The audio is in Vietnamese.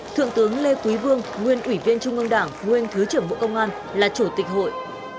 thượng tướng lê quý vương nguyên ủy viên trung ương đảng nguyên thứ trưởng bộ công an là chủ tịch hội